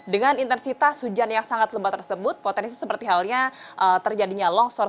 dengan intensitas hujan yang sangat lebat tersebut potensi seperti halnya terjadinya longsor